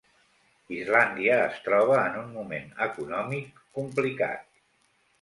Islàndia es troba en un moment econòmic complicat.